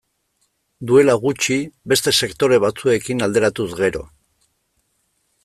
Duela gutxi, beste sektore batzuekin alderatuz gero.